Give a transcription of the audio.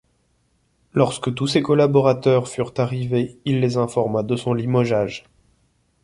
Lorsque tous ses collaborateurs furent arrivés, il les informa de son limogeage.